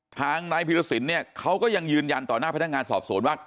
ทางนายพิรสินเนี่ยเขาก็ยังยืนยันต่อหน้าพนักงานสอบสวนว่า